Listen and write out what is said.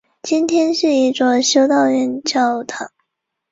光绪二十七年在经岭病逝。